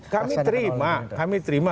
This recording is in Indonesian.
kami terima kami terima